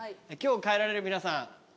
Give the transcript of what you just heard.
今日帰られる皆さん